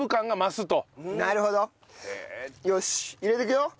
よし入れていくよ。